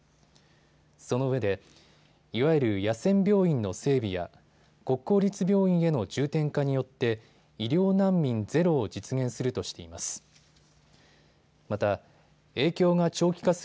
そのうえでいわゆる野戦病院の整備や国公立病院への重点化によって医療難民ゼロを実現するとしています。